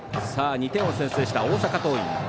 ２点を先制した大阪桐蔭。